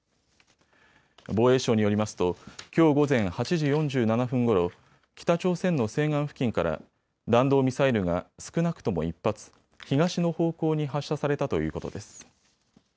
防衛省によりますときょう午前８時４７分ごろ、北朝鮮の西岸付近から弾道ミサイルが少なくとも１発、東の方向に発射されたということです。